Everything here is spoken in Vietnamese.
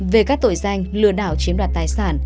về các tội danh lừa đảo chiếm đoạt tài sản